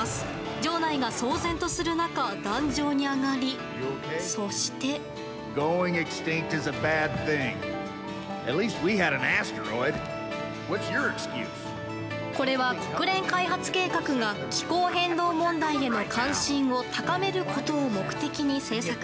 場内が騒然とする中壇上に上がり、そして。これは、国連開発計画が気候変動問題への関心を高めることを目的に制作。